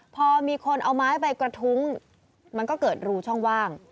พอมีคนเอาไม้ไปกระทุ้งมันก็เกิดรูช่องว่าง